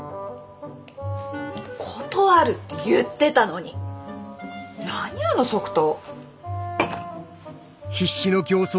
断るって言ってたのに何あの即答。